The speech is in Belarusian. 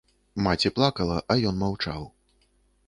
Маці плакала, а ён маўчаў.